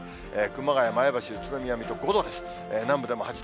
熊谷、前橋、宇都宮、水戸５度です。